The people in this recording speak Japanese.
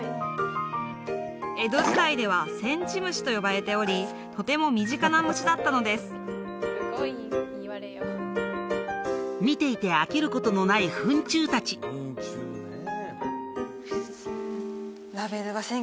江戸時代では「せんちむし」と呼ばれておりとても身近な虫だったのです見ていて飽きることのない糞虫達あっハハハ